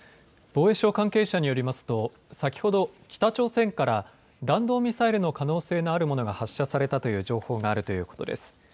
防衛省関係者によりますと先ほど北朝鮮から弾道ミサイルの可能性があるものが発射されたという情報があるということです。